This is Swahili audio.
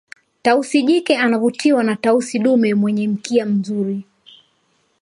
tausi jike anavutiwa na tausi dume mwenye mkia mzuri